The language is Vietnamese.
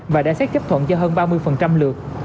và đã xét chấp thuận cho hơn ba mươi lượt